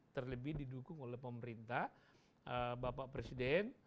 terlebih didukung oleh pemerintah bapak presiden